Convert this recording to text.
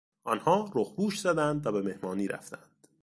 آنها رخپوش زدند و به مهمانی رفتند.